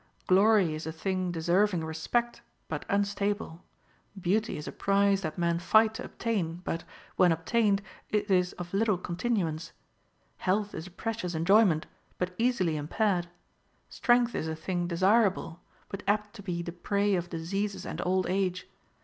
Glory is a thing deserving• respect, but unstable ; beauty is a prize that men fight to obtain, but, when obtained, it is of little continuance ; health is a precious enjoyment, but easily im paired ; strength is a thing desirable, but apt to be the prey of diseases and old age.